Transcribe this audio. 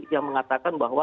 yang mengatakan bahwa